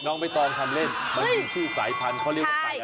ไม่ต้องทำเล่นมันมีชื่อสายพันธุ์เขาเรียกว่าไก่อะไร